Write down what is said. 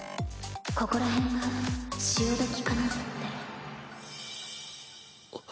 ここらへんが潮時かなってあっ。